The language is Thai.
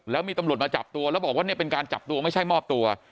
แล้วมีตำรวจมาจับตัวแล้วบอกว่าเนี่ยเป็นการจับตัวไม่ใช่มอบตัว